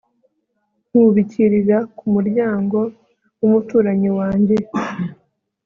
nkubikirira ku muryango w umuturanyi wanjye